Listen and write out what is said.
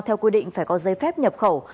theo quy định phải có giấy phép nhập khẩu